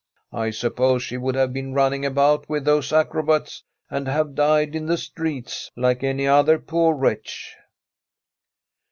I suppose she would have been running about with those acrobats, and have died in the streets, like any other poor wretch.'